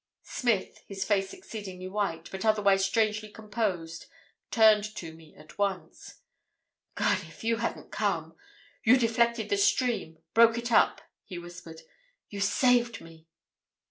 "Smith, his face exceedingly white, but otherwise strangely composed, turned to me at once. "'God!—if you hadn't come—You deflected the stream; broke it up—' he whispered. 'You saved me.'"